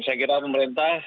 saya kira pemerintah